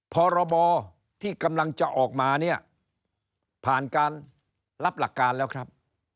พรบที่กำลังจะออกมาเนี่ยผ่านการรับหลักการแล้วครับ